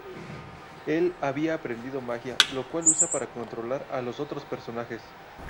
Él había aprendido magia, la cual usa para controlar a los otros personajes.